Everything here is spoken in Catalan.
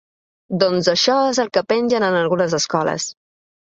Doncs això és el que pengen en algunes escoles.